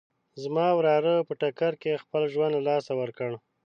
زما وراره په ټکر کې خپل ژوند له لاسه ورکړ